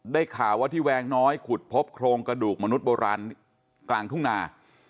ข่าวว่าที่แวงน้อยขุดพบโครงกระดูกมนุษย์โบราณกลางทุ่งนา